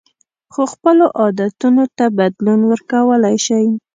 خو خپلو عادتونو ته بدلون ورکولی شئ.